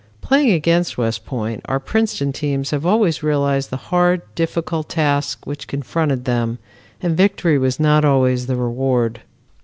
Playing against West Point our Princeton teams have always realized the hard, difficult task which confronted them, and victory was not always the reward.